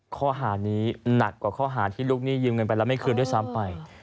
ข้อหานี้หนักกว่าข้อหาที่ลูกหนี้ยืมเงินไปแล้วไม่คืนด้วยซ้ำไป